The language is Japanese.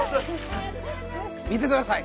見てください。